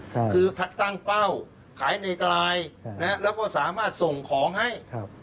คือตั้งเป้าขายในกลายแล้วก็สามารถส่งของให้